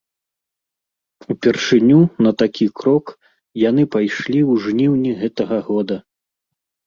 Упершыню на такі крок яны пайшлі ў жніўні гэтага года.